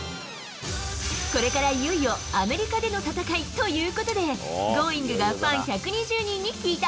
これからいよいよアメリカでの戦いということで、Ｇｏｉｎｇ！がファン１２０人に聞いた。